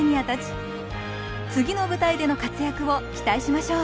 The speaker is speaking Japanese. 次の舞台での活躍を期待しましょう！